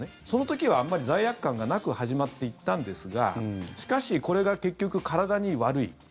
その時はあまり罪悪感がなく始まっていったんですがしかし、これが結局体に悪い。